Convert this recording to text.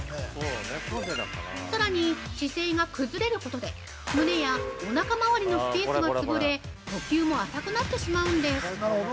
さらに、姿勢が崩れることで胸やおなか回りのスペースが潰れ呼吸も浅くなってしまうんです。